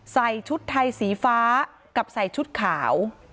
ใส่ชุดไทยสีฟ้ากับใส่ชุดขาว